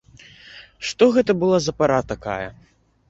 Што гэта была за пара такая!